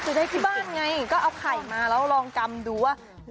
จะได้ที่บ้านไงก็เอาไข่มาแล้วลองกำดูว่า